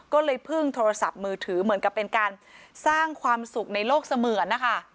ก็เลยพึ่งโทรศัพท์มือถือเหมือนกับเป็นการสร้างความสุขในโลกเสมือนนะคะ